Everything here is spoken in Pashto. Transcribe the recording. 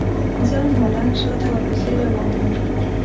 زه او ملنګ شاته ورپسې روان وو.